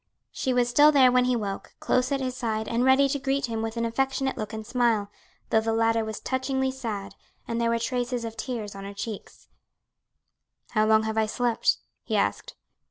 She was still there when he woke, close at his side and ready to greet him with an affectionate look and smile, though the latter was touchingly sad and there were traces of tears on her cheeks. "How long have I slept?" he asked.